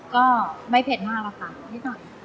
ก็ไม่เผ็ดมากหรอกค่ะนิดหน่อย